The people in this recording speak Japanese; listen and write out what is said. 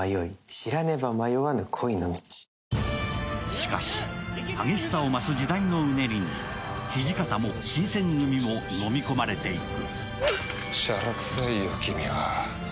しかし、激しさを増す時代のうねりに土方も新選組も飲み込まれていく。